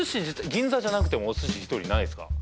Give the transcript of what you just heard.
銀座じゃなくてもお寿司一人ないですか？